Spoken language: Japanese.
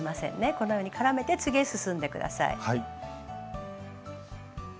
このように絡めて次へ進んで下さい。